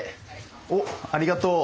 おっありがとう。